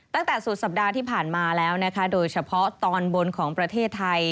ตั้งแต่สุดสัปดาห์ที่ผ่านมาแล้วนะคะโดยเฉพาะตอนบนของประเทศไทย